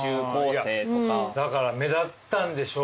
だから目立ったんでしょ。